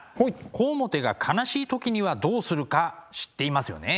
小面が悲しい時にはどうするか知っていますよね？